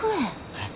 はい。